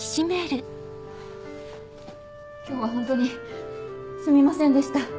今日はホントにすみませんでした。